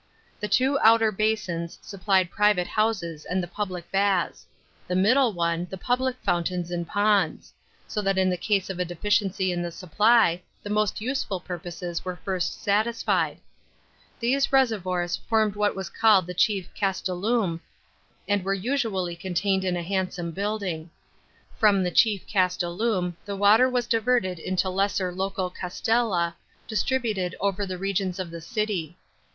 Th* two outer basins suppl'ed private ho ises and the public baths; the middle one, the public fountains and ponds; so tnat in the case of a deficiency in the supph , t1 e most useful purposes were first satisfied. These reservoirs formed what was called the chief castellum, and were usually confined in a handsome building. From the chief castellum the water was diverted into lesser local castella, distributed over the regions of the city.